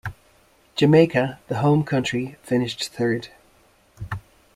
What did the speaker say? Jamaica, the home country, finished third.